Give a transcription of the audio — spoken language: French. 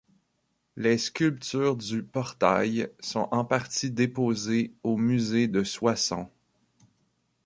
Les sculptures du portail sont en partie déposées au musée de Soissons.